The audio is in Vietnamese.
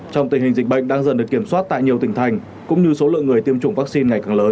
trong tình hình dịch bệnh đang dần được kiểm soát tại nhiều tỉnh thành cũng như số lượng người tiêm chủng vaccine ngày càng lớn